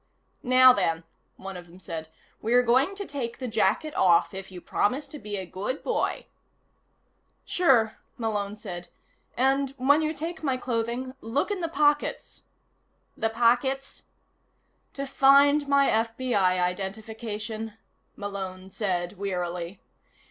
"Now, then," one of them said. "We're going to take the jacket off, if you promise to be a good boy." "Sure," Malone said. "And when you take my clothing, look in the pockets." "The pockets?" "To find my FBI identification," Malone said wearily.